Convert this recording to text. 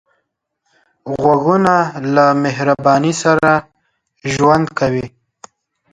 غوږونه له مهرباني سره ژوند کوي